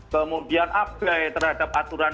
kemudian ab terhadap aturan